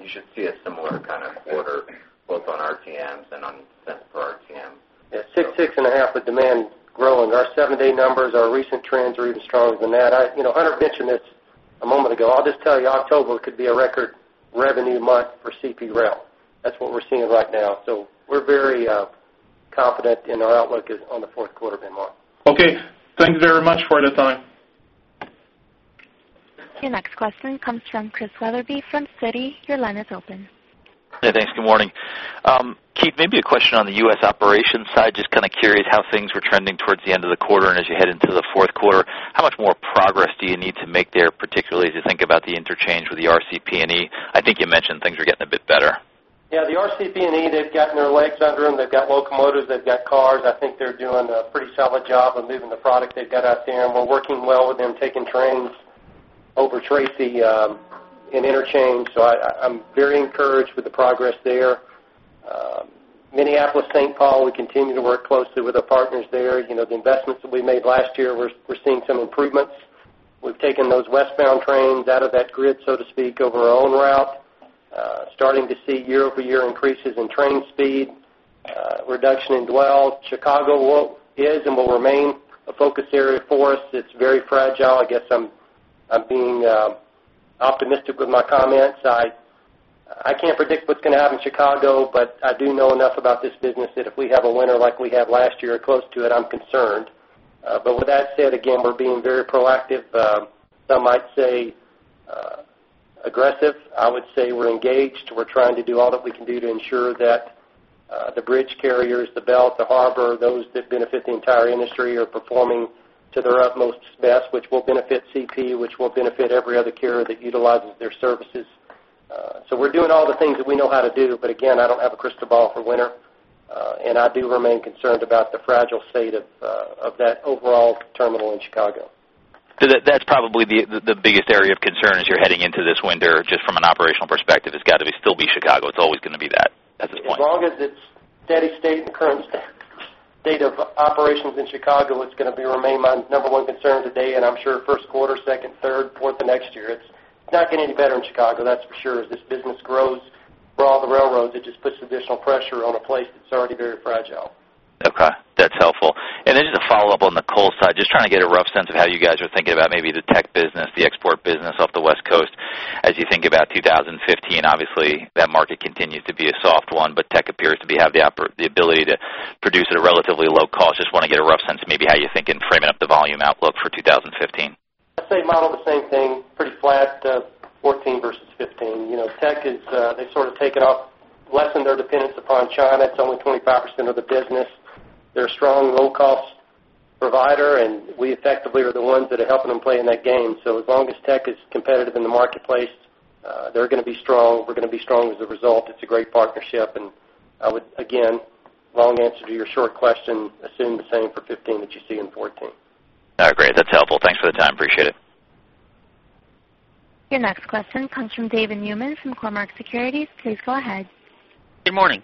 You should see a similar kind of quarter both on RTMs and on cents per RTM. Yeah. 6-6.5 with demand growing. Our 7-day numbers, our recent trends are even stronger than that. Hunter mentioned this a moment ago. I'll just tell you, October could be a record revenue month for CP Rail. That's what we're seeing right now. So we're very confident in our outlook on the fourth quarter, Benoit. Okay. Thanks very much for the time. Your next question comes from Chris Wetherbee from Citi. Your line is open. Hey. Thanks. Good morning. Keith, maybe a question on the U.S. operations side. Just kind of curious how things were trending towards the end of the quarter. And as you head into the fourth quarter, how much more progress do you need to make there, particularly as you think about the interchange with the RCP&E? I think you mentioned things were getting a bit better. Yeah. The RCP&E, they've gotten their legs under them. They've got locomotives. They've got cars. I think they're doing a pretty solid job of moving the product they've got out there. And we're working well with them, taking trains over Tracy in interchange. So I'm very encouraged with the progress there. Minneapolis, St. Paul, we continue to work closely with our partners there. The investments that we made last year, we're seeing some improvements. We've taken those westbound trains out of that grid, so to speak, over our own route, starting to see year-over-year increases in train speed, reduction in dwell. Chicago is and will remain a focus area for us. It's very fragile. I guess I'm being optimistic with my comments. I can't predict what's going to happen in Chicago, but I do know enough about this business that if we have a winter like we had last year or close to it, I'm concerned. But with that said, again, we're being very proactive. Some might say aggressive. I would say we're engaged. We're trying to do all that we can do to ensure that the bridge carriers, the Belt, the Harbor, those that benefit the entire industry are performing to their utmost best, which will benefit CP, which will benefit every other carrier that utilizes their services. So we're doing all the things that we know how to do. But again, I don't have a crystal ball for winter. And I do remain concerned about the fragile state of that overall terminal in Chicago. That's probably the biggest area of concern as you're heading into this winter just from an operational perspective. It's got to still be Chicago. It's always going to be that at this point. As long as it's steady state and current state of operations in Chicago, it's going to remain my number one concern today. I'm sure first quarter, second, third, fourth of next year, it's not getting any better in Chicago, that's for sure. As this business grows for all the railroads, it just puts additional pressure on a place that's already very fragile. Okay. That's helpful. And then just a follow-up on the coal side, just trying to get a rough sense of how you guys are thinking about maybe the Teck business, the export business off the West Coast as you think about 2015. Obviously, that market continues to be a soft one, but Teck appears to have the ability to produce at a relatively low cost. Just want to get a rough sense maybe how you're thinking framing up the volume outlook for 2015. I'd say model the same thing, pretty flat, 2014 versus 2015. Teck, they've sort of taken up lessened their dependence upon China. It's only 25% of the business. They're a strong low-cost provider, and we effectively are the ones that are helping them play in that game. So as long as Teck is competitive in the marketplace, they're going to be strong. We're going to be strong as a result. It's a great partnership. And again, long answer to your short question, assume the same for 2015 that you see in 2014. All right. Great. That's helpful. Thanks for the time. Appreciate it. Your next question comes from David Newman from Cormark Securities. Please go ahead. Good morning.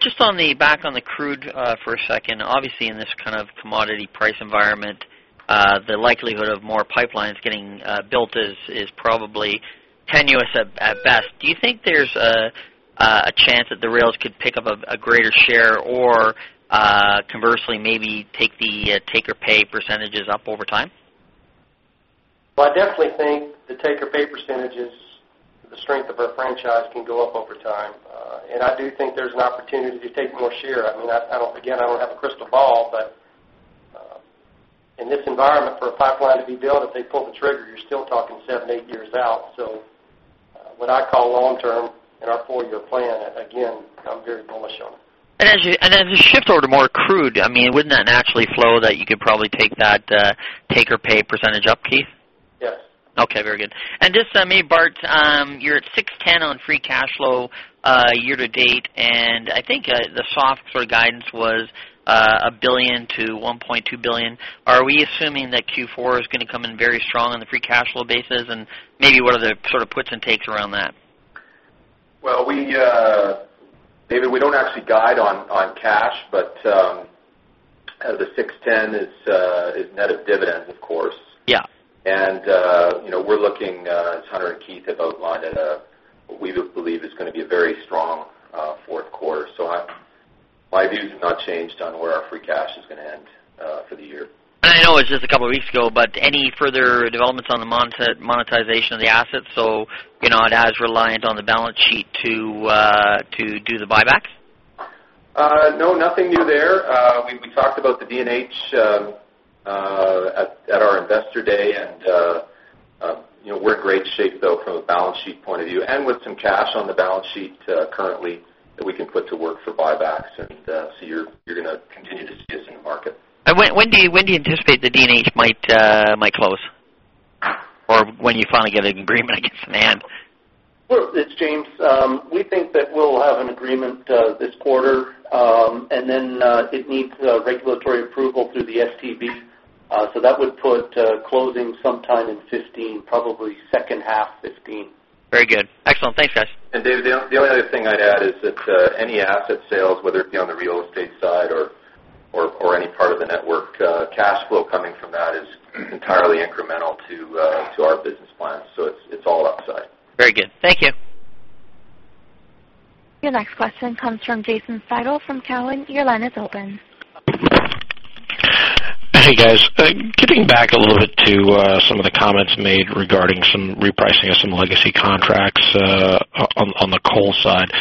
Just back on the crude for a second. Obviously, in this kind of commodity price environment, the likelihood of more pipelines getting built is probably tenuous at best. Do you think there's a chance that the rails could pick up a greater share or conversely maybe take the take-or-pay percentages up over time? Well, I definitely think the take-or-pay percentages, the strength of our franchise, can go up over time. I do think there's an opportunity to take more share. I mean, again, I don't have a crystal ball, but in this environment for a pipeline to be built, if they pull the trigger, you're still talking 7-8 years out. So what I call long-term in our four-year plan, again, I'm very bullish on it. As you shift over to more crude, I mean, wouldn't that naturally flow that you could probably take that take-or-pay percentage up, Keith? Yes. Okay. Very good. And just maybe Bart. You're at 610 million on free cash flow year to date. And I think the soft sort of guidance was 1 billion-1.2 billion. Are we assuming that Q4 is going to come in very strong on the free cash flow basis? And maybe what are the sort of puts and takes around that? Well, maybe we don't actually guide on cash, but the $610 million is net of dividends, of course. We're looking, as Hunter and Keith have outlined, at what we believe is going to be a very strong fourth quarter. My views have not changed on where our free cash is going to end for the year. I know it was just a couple of weeks ago, but any further developments on the monetization of the assets? So is it reliant on the balance sheet to do the buybacks? No. Nothing new there. We talked about the D&H at our investor day. And we're in great shape, though, from a balance sheet point of view and with some cash on the balance sheet currently that we can put to work for buybacks. And so you're going to continue to see us in the market. When do you anticipate the D&H might close or when you finally get an agreement in hand? Well, it's James. We think that we'll have an agreement this quarter. And then it needs regulatory approval through the STB. So that would put closing sometime in 2015, probably second half 2015. Very good. Excellent. Thanks, guys. And David, the only other thing I'd add is that any asset sales, whether it be on the real estate side or any part of the network, cash flow coming from that is entirely incremental to our business plan. So it's all upside. Very good. Thank you. Your next question comes from Jason Seidl from Cowen. Your line is open. Hey, guys. Getting back a little bit to some of the comments made regarding some repricing of some legacy contracts on the coal side.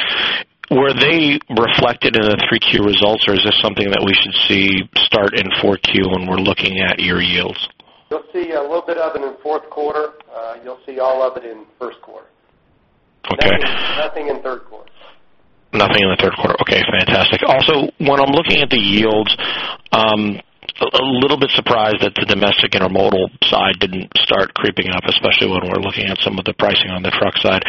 Were they reflected in the 3Q results, or is this something that we should see start in 4Q when we're looking at your yields? You'll see a little bit of it in fourth quarter. You'll see all of it in first quarter. Nothing in third quarter. Nothing in the third quarter. Okay. Fantastic. Also, when I'm looking at the yields, a little bit surprised that the domestic intermodal side didn't start creeping up, especially when we're looking at some of the pricing on the truck side.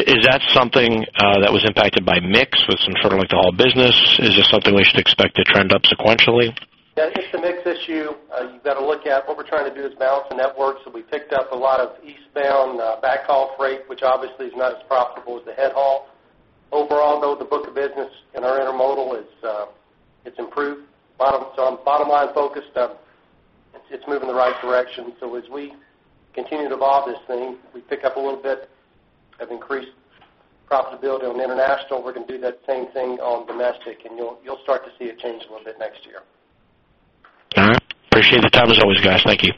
Is that something that was impacted by mix with some sort of the whole business? Is this something we should expect to trend up sequentially? Yeah. It's a mix issue. You've got to look at what we're trying to do is balance the network. So we picked up a lot of eastbound backhaul freight, which obviously is not as profitable as the headhaul. Overall, though, the book of business in our intermodal is improved. So I'm bottom-line focused. It's moving the right direction. So as we continue to evolve this thing, we pick up a little bit of increased profitability on international, we're going to do that same thing on domestic. And you'll start to see it change a little bit next year. All right. Appreciate the time as always, guys. Thank you.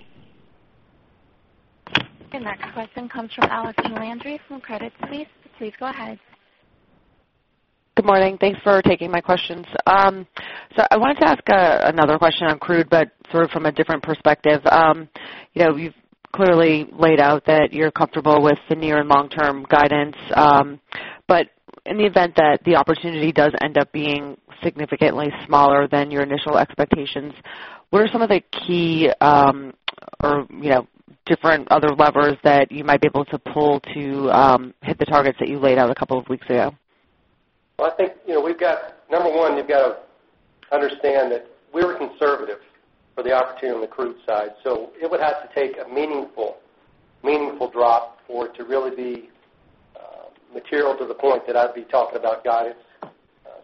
Your next question comes from Allison Landry from Credit Suisse. Please go ahead. Good morning. Thanks for taking my questions. So I wanted to ask another question on crude, but sort of from a different perspective. You've clearly laid out that you're comfortable with the near and long-term guidance. But in the event that the opportunity does end up being significantly smaller than your initial expectations, what are some of the key or different other levers that you might be able to pull to hit the targets that you laid out a couple of weeks ago? Well, I think we've got number one, you've got to understand that we were conservative for the opportunity on the crude side. So it would have to take a meaningful drop for it to really be material to the point that I'd be talking about guidance.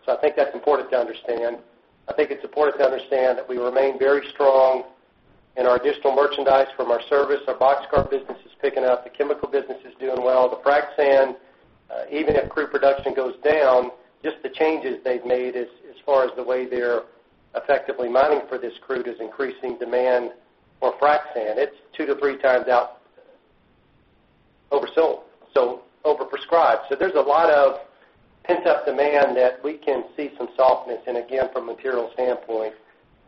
So I think that's important to understand. I think it's important to understand that we remain very strong in our additional merchandise from our service. Our boxcar business is picking up. The chemical business is doing well. The frac sand, even if crude production goes down, just the changes they've made as far as the way they're effectively mining for this crude is increasing demand for frac sand. It's 2-3 times out oversold, so overprescribed. So there's a lot of pent-up demand that we can see some softness in, again, from a material standpoint.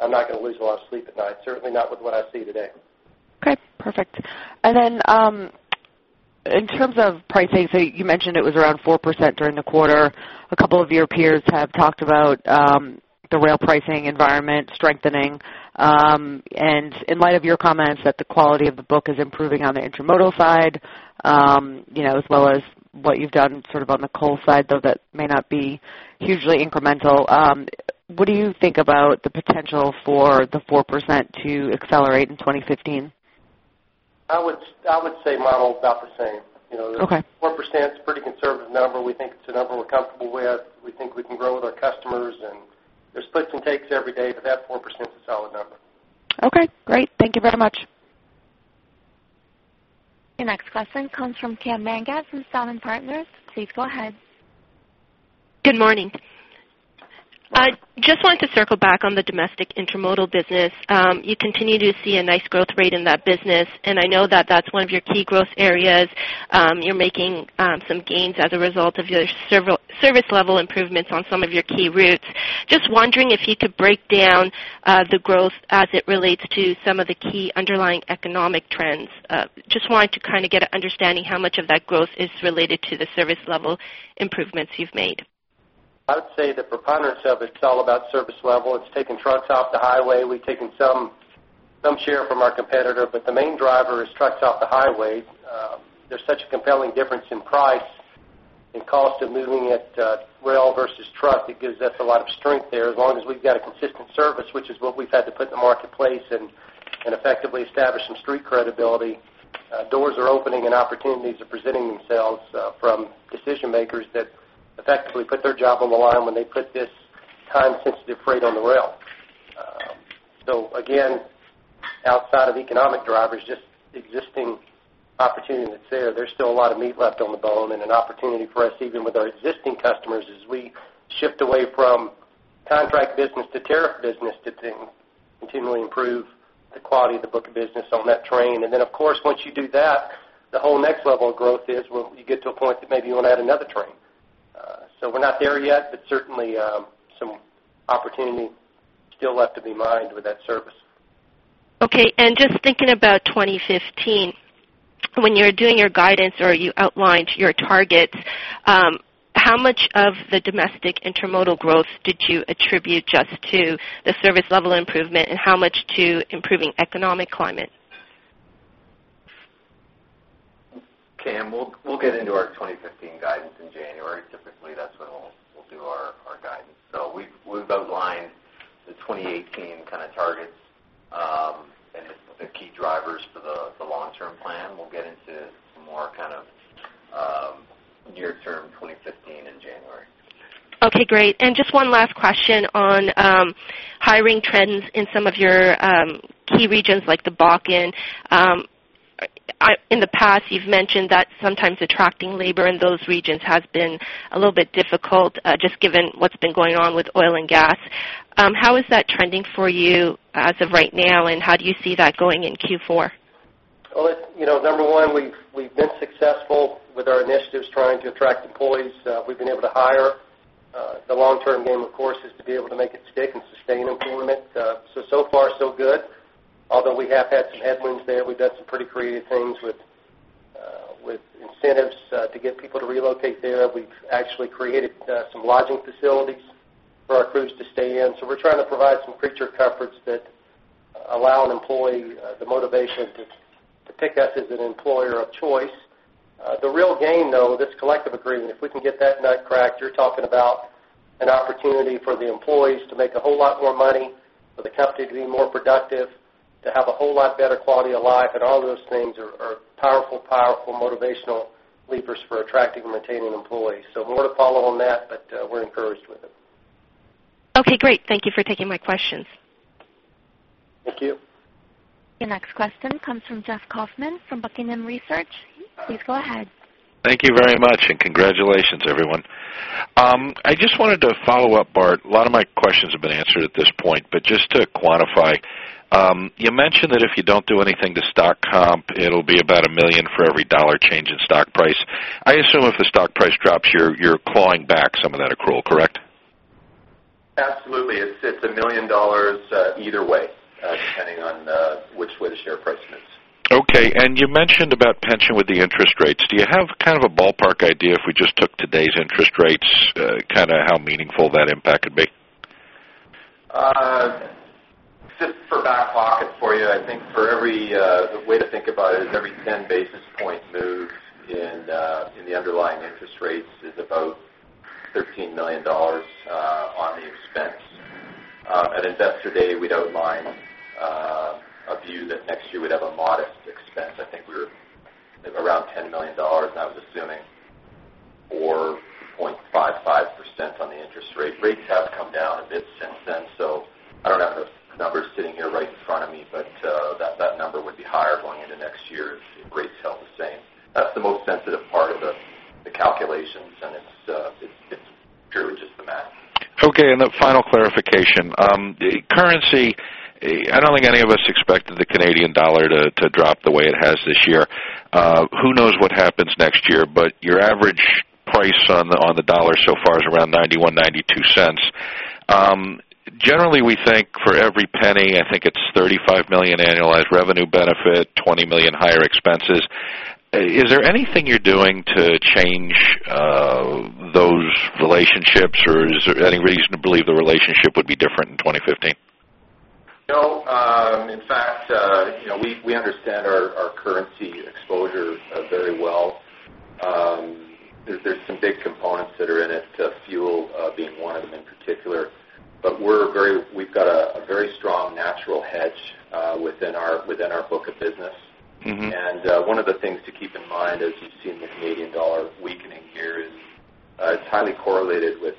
I'm not going to lose a lot of sleep at night, certainly not with what I see today. Okay. Perfect. And then in terms of pricing, so you mentioned it was around 4% during the quarter. A couple of your peers have talked about the rail pricing environment strengthening. And in light of your comments that the quality of the book is improving on the intermodal side as well as what you've done sort of on the coal side, though that may not be hugely incremental, what do you think about the potential for the 4% to accelerate in 2015? I would say model about the same. The 4%, it's a pretty conservative number. We think it's a number we're comfortable with. We think we can grow with our customers. And there's puts and takes every day, but that 4% is a solid number. Okay. Great. Thank you very much. Your next question comes from Cameron Doerksen from National Bank Financial. Please go ahead. Good morning. I just wanted to circle back on the domestic intermodal business. You continue to see a nice growth rate in that business. I know that that's one of your key growth areas. You're making some gains as a result of your service-level improvements on some of your key routes. Just wondering if you could break down the growth as it relates to some of the key underlying economic trends. Just wanted to kind of get an understanding how much of that growth is related to the service-level improvements you've made. I would say the preponderance of it's all about service level. It's taking trucks off the highway. We've taken some share from our competitor, but the main driver is trucks off the highways. There's such a compelling difference in price and cost of moving it rail versus truck that gives us a lot of strength there. As long as we've got a consistent service, which is what we've had to put in the marketplace and effectively establish some street credibility, doors are opening and opportunities are presenting themselves from decision-makers that effectively put their job on the line when they put this time-sensitive freight on the rail. So again, outside of economic drivers, just existing opportunity that's there, there's still a lot of meat left on the bone. An opportunity for us, even with our existing customers, is we shift away from contract business to tariff business to continually improve the quality of the book of business on that train. Then, of course, once you do that, the whole next level of growth is when you get to a point that maybe you want to add another train. We're not there yet, but certainly some opportunity still left to be mined with that service. Okay. And just thinking about 2015, when you were doing your guidance or you outlined your targets, how much of the domestic intermodal growth did you attribute just to the service-level improvement and how much to improving economic climate? Cam, we'll get into our 2015 guidance in January. Typically, that's when we'll do our guidance. So we've outlined the 2018 kind of targets and the key drivers for the long-term plan. We'll get into some more kind of near-term 2015 in January. Okay. Great. Just one last question on hiring trends in some of your key regions like the Bakken. In the past, you've mentioned that sometimes attracting labor in those regions has been a little bit difficult just given what's been going on with oil and gas. How is that trending for you as of right now, and how do you see that going in Q4? Well, number one, we've been successful with our initiatives trying to attract employees. We've been able to hire. The long-term game, of course, is to be able to make it stick and sustain employment. So far, so good. Although we have had some headwinds there, we've done some pretty creative things with incentives to get people to relocate there. We've actually created some lodging facilities for our crews to stay in. So we're trying to provide some creature comforts that allow an employee the motivation to pick us as an employer of choice. The real gain, though, this collective agreement, if we can get that nut cracked, you're talking about an opportunity for the employees to make a whole lot more money, for the company to be more productive, to have a whole lot better quality of life. All those things are powerful, powerful motivational levers for attracting and retaining employees. More to follow on that, but we're encouraged with it. Okay. Great. Thank you for taking my questions. Thank you. Your next question comes from Jeff Kauffman from Buckingham Research. Please go ahead. Thank you very much, and congratulations, everyone. I just wanted to follow up, Bart. A lot of my questions have been answered at this point, but just to quantify, you mentioned that if you don't do anything to stock comp, it'll be about 1 million for every CAD 1 change in stock price. I assume if the stock price drops, you're clawing back some of that accrual, correct? Absolutely. It's $1 million either way, depending on which way the share price moves. Okay. And you mentioned about pension with the interest rates. Do you have kind of a ballpark idea if we just took today's interest rates, kind of how meaningful that impact could be? Just for back pocket for you, I think the way to think about it is every 10 basis points moved in the underlying interest rates is about $13 million on the expense. At investor day, we'd outline a view that next year we'd have a modest expense. I think we were around $10 million, and I was assuming 4.55% on the interest rate. Rates have come down a bit since then, so I don't have those numbers sitting here right in front of me, but that number would be higher going into next year if rates held the same. That's the most sensitive part of the calculations, and it's purely just the math. Okay. And the final clarification, currency. I don't think any of us expected the Canadian dollar to drop the way it has this year. Who knows what happens next year, but your average price on the dollar so far is around $0.9192. Generally, we think for every penny, I think it's 35 million annualized revenue benefit, 20 million higher expenses. Is there anything you're doing to change those relationships, or is there any reason to believe the relationship would be different in 2015? No. In fact, we understand our currency exposure very well. There's some big components that are in it, fuel being one of them in particular. But we've got a very strong natural hedge within our book of business. And one of the things to keep in mind, as you've seen the Canadian dollar weakening here, is it's highly correlated with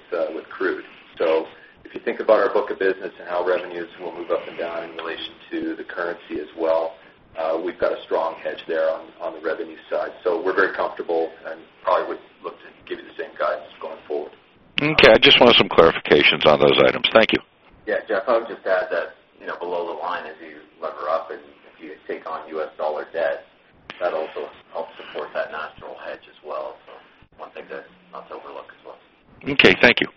crude. So if you think about our book of business and how revenues will move up and down in relation to the currency as well, we've got a strong hedge there on the revenue side. So we're very comfortable and probably would look to give you the same guidance going forward. Okay. I just wanted some clarifications on those items. Thank you. Yeah. Jeff, I would just add that below the line, as you lever up and if you take on U.S. dollar debt, that also helps support that natural hedge as well. So one thing that's not to overlook as well. Okay. Thank you.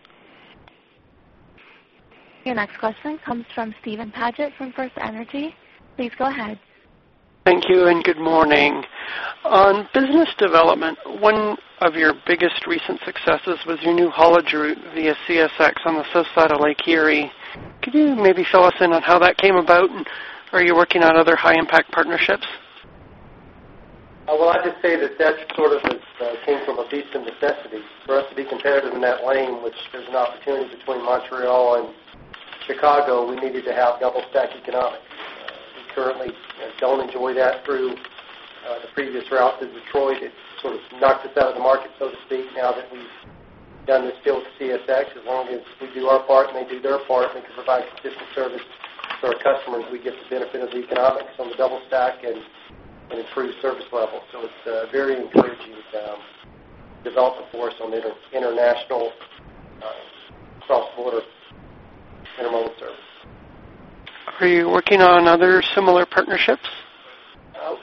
Your next question comes from Steven Paget from FirstEnergy Capital. Please go ahead. Thank you, and good morning. On business development, one of your biggest recent successes was your new haulage route via CSX on the south side of Lake Erie. Could you maybe fill us in on how that came about, and are you working on other high-impact partnerships? Well, I'd just say that that sort of came from a beast of necessity. For us to be competitive in that lane, which there's an opportunity between Montreal and Chicago, we needed to have double-stack economics. We currently don't enjoy that through the previous route to Detroit. It sort of knocked us out of the market, so to speak, now that we've done this deal with CSX. As long as we do our part and they do their part and we can provide consistent service to our customers, we get the benefit of the economics on the double-stack and improved service level. So it's a very encouraging development for us on international cross-border intermodal service. Are you working on other similar partnerships?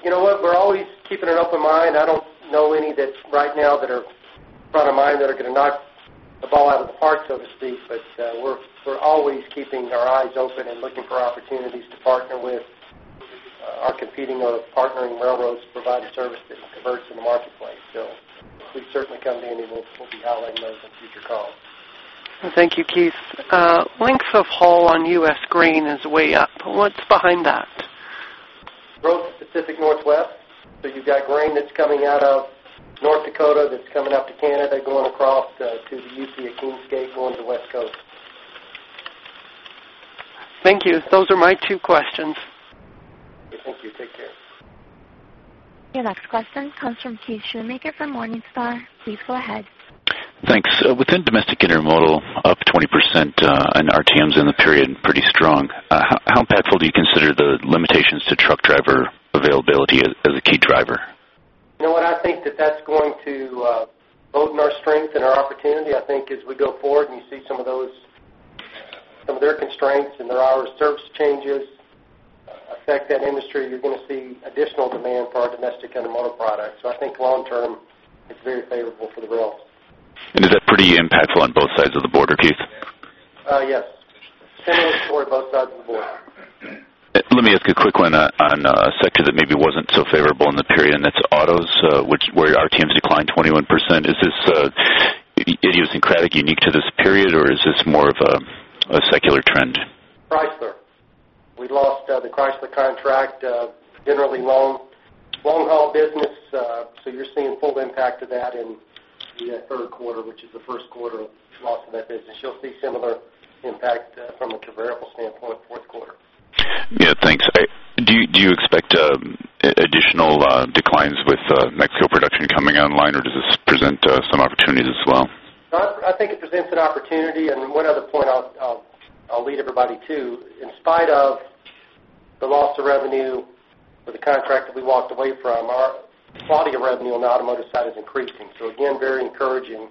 You know what? We're always keeping an open mind. I don't know any right now that are front of mind that are going to knock the ball out of the park, so to speak. But we're always keeping our eyes open and looking for opportunities to partner with our competing or partnering railroads to provide a service that converts in the marketplace. So we haven't come up with any, and we'll be highlighting those in future calls. Thank you, Keith. Length of haul on US grain is way up. What's behind that? Growth in the Pacific Northwest. So you've got grain that's coming out of North Dakota that's coming up to Canada, going across to the UP at Kingsgate, going to the West Coast. Thank you. Those are my two questions. Okay. Thank you. Take care. Your next question comes from Keith Schoonmaker from Morningstar. Please go ahead. Thanks. Within domestic intermodal, up 20% in RTMs in the period, pretty strong. How impactful do you consider the limitations to truck driver availability as a key driver? You know what? I think that that's going to broaden our strength and our opportunity, I think, as we go forward. And you see some of their constraints and their hours of service changes affect that industry. You're going to see additional demand for our domestic intermodal products. So I think long-term, it's very favorable for the rails. Is that pretty impactful on both sides of the border, Keith? Yes. Similar story both sides of the border. Let me ask a quick one on a sector that maybe wasn't so favorable in the period, and that's autos, where RTMs declined 21%. Is this idiosyncratic, unique to this period, or is this more of a secular trend? Chrysler. We lost the Chrysler contract, generally long-haul business. So you're seeing full impact of that in the third quarter, which is the first quarter of loss of that business. You'll see similar impact from a variable standpoint fourth quarter. Yeah. Thanks. Do you expect additional declines with Mexico production coming online, or does this present some opportunities as well? I think it presents an opportunity. One other point I'll lead everybody to, in spite of the loss of revenue for the contract that we walked away from, our quality of revenue on the automotive side is increasing. Again, very encouraging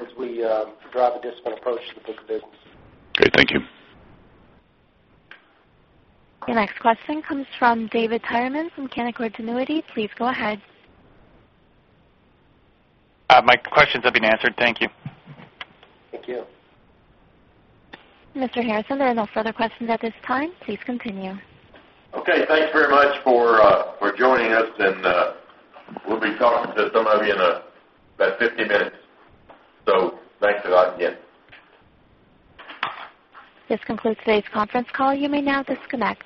as we drive a disciplined approach to the book of business. Great. Thank you. Your next question comes from David Tyerman from Canaccord Genuity. Please go ahead. My questions have been answered. Thank you. Thank you. Mr. Harrison, there are no further questions at this time. Please continue. Okay. Thanks very much for joining us, and we'll be talking to some of you in about 50 minutes. So thanks a lot again. This concludes today's conference call. You may now disconnect.